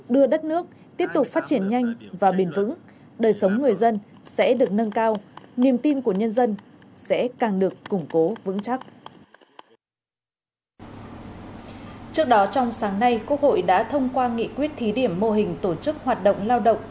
đưa đất nước tiếp tục phát triển nhanh và bền vững đời sống người dân sẽ được nâng cao